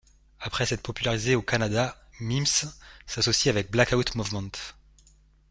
Après s'être popularisé au Canada, Mims s'associe avec Blackout Movement.